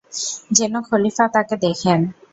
যেন খলীফা তাকে দেখেন।